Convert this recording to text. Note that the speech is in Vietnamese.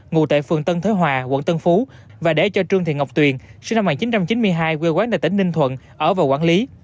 ngụ tại phường tân thới hòa quận tân phú và để cho trương thị ngọc tuyền sinh năm một nghìn chín trăm chín mươi hai quê quán tại tỉnh ninh thuận ở vào quản lý